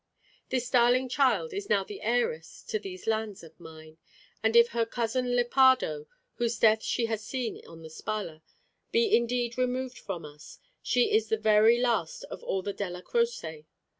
"This darling child is now the heiress to these lands of mine. And if her cousin Lepardo, whose death she has seen on the Spalla, be indeed removed from us, she is the very last of all the Della Croce.